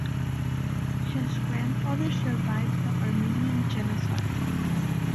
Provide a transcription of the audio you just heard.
His grandfather survived the Armenian genocide.